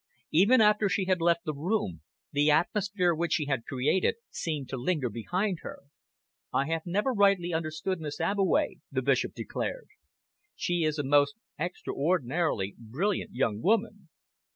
Even after she had left the room, the atmosphere which she had created seemed to linger behind her. "I have never rightly understood Miss Abbeway," the Bishop declared. "She is a most extraordinarily brilliant young woman."